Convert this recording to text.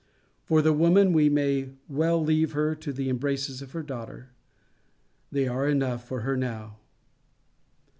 For the woman, we may well leave her to the embraces of her daughter. They are enough for her now.